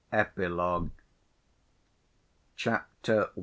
EPILOGUE Chapter I.